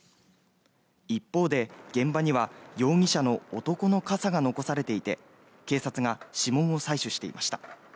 一方で現場には容疑者の男の傘が残されていて警察が指紋を採取していました。